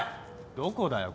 どこだよ？